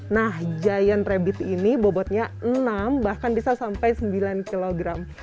nah giant rabbit ini bobotnya enam bahkan bisa sampai sembilan kilogram